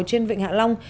trên vịnh hạ long